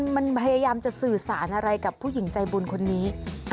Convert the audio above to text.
มันพยายามจะสื่อสารอะไรกับผู้หญิงใจบุญคนนี้